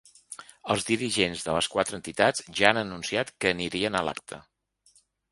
Els dirigents de les quatre entitats ja han anunciat que anirien a l’acte.